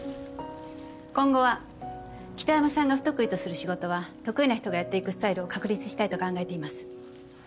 今後は北山さんが不得意とする仕事は得意な人がやっていくスタイルを確立したいと考えています。